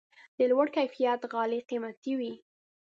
د لوړ کیفیت غالۍ قیمتي وي.